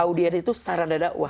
audiensu itu sarana dakwah